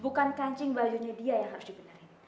bukan kancing bajunya dia yang benerin kancing bajunya dia